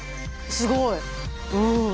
すごい。